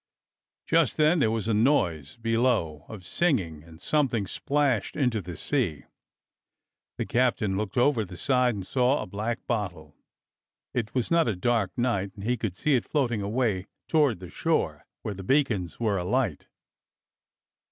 Just then there was a noise below of singing, and 292 DOCTOR SYN something splashed into the sea. The captain looked over the side and saw a black bottle. It was not a dark night, and he could see it floating away toward the shore, where the beacons were alight.